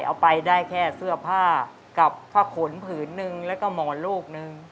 เอาไปได้แค่เสื้อผ้ากับผ้าขนผืนนึงแล้วก็หมอนลูกนึง